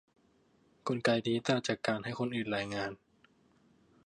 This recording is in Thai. กลไกนี้ต่างจากการให้คนอื่นรายงาน